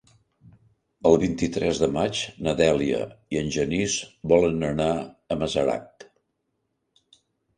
El vint-i-tres de maig na Dèlia i en Genís volen anar a Masarac.